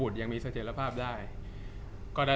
จากความไม่เข้าจันทร์ของผู้ใหญ่ของพ่อกับแม่